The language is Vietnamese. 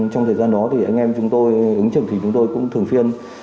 trong thời gian đó thì anh em chúng tôi ứng trưởng thì chúng tôi cũng thường phiên